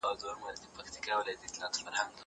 زه هره ورځ کتابونه وړم؟